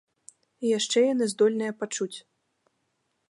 І яшчэ яны здольныя пачуць.